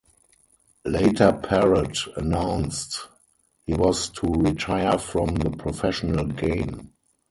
Later Parrott announced he was to retire from the professional game.